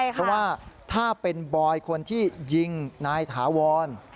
เพราะว่าถ้าเป็นบอยคนที่ยิงนายถาวร